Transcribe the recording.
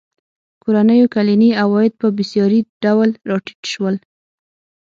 کورنیو کلني عواید په بېساري ډول راټیټ شول.